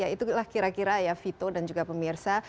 itulah kira kira ya vito dan juga pemirsa